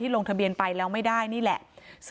พี่สาวบอกว่าไม่ได้ไปกดยกเลิกรับสิทธิ์นี้ทำไม